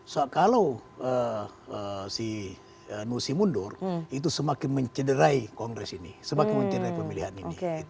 so kalau si nusi mundur itu semakin mencederai kongres ini sebagai mencederai pemilihan ini